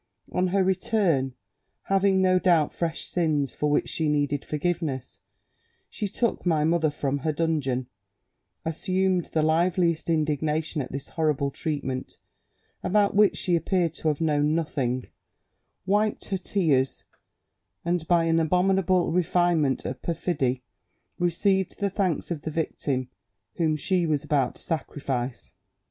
On her return, having; no doubt fresh sins for which she needed forgiveness, she took my mother from her dungeon, assumed the liveliest indignation at this horrible treatment, about which she appeared to have known nothing, wiped her tears, and by an abominable refinement of perfidy received the thanks of the victim whom she was about to sacrifice.